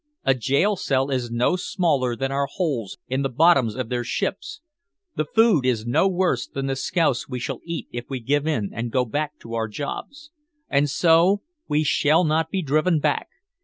A jail cell is no smaller than our holes in the bottoms of their ships, the food is no worse than the scouse we shall eat if we give in and go back to our jobs! And so we shall not be driven back!